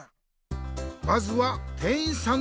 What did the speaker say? まずは店員さんの笑い。